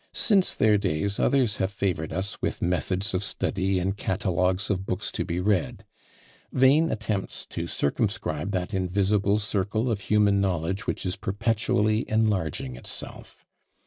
Since their days others have favoured us with "Methods of Study," and "Catalogues of Books to be Read." Vain attempts to circumscribe that invisible circle of human knowledge which is perpetually enlarging itself!